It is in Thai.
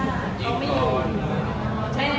เค้าไม่ยืน